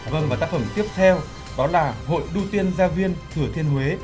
vâng và tác phẩm tiếp theo đó là hội đu tiên gia viên thừa thiên huế